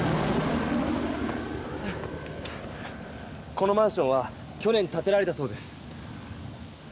このマンションは去年たてられたそうです。